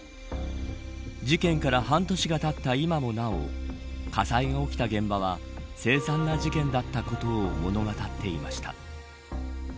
事件から半年がたった今もなお火災が起きた現場は凄惨な事件だったことを物語っていました。